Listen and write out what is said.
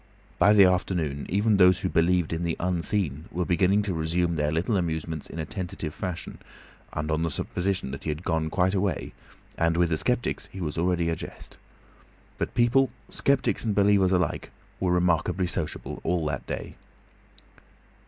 By the afternoon even those who believed in the Unseen were beginning to resume their little amusements in a tentative fashion, on the supposition that he had quite gone away, and with the sceptics he was already a jest. But people, sceptics and believers alike, were remarkably sociable all that day.